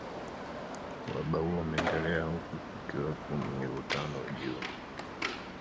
uhaba huo umeendelea huku kukiwepo mivutano juu